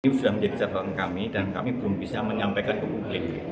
itu sudah menjadi catatan kami dan kami belum bisa menyampaikan ke publik